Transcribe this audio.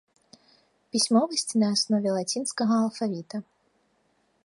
Пісьмовасць на аснове лацінскага алфавіта.